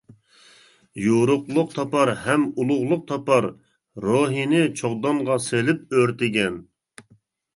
يورۇقلۇق تاپار ھەم ئۇلۇغلۇق تاپار، روھىنى چوغدانغا سېلىپ ئۆرتىگەن.